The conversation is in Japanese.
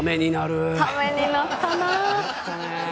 タメになったな。